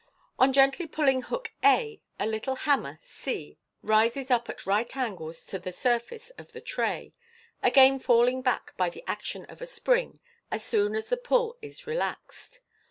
On gently pulling hook a, a little hammer c rises up at right angles to the surface of the tray, again falling back by the action of a spring as soon as the pull is relaxed.